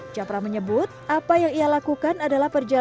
capra menyebut apa yang ia lakukan adalah perjalanan